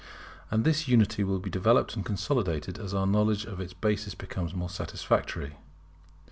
And this unity will be developed and consolidated as our knowledge of its basis becomes more satisfactory.